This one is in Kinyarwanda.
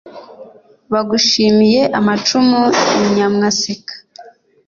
bagushimiye amacumu i nyamwaseka